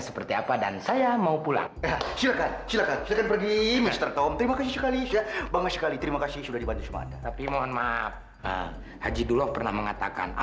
sampai jumpa di video selanjutnya